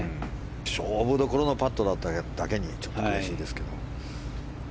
勝負どころのパットだっただけにちょっと悔しいですけど。